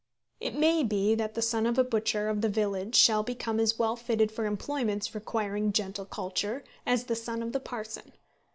It may be that the son of the butcher of the village shall become as well fitted for employments requiring gentle culture as the son of the parson.